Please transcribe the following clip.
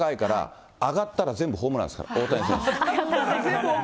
標高高いから、上がったら全部ホームランですから、大谷選手。全部ホームラン？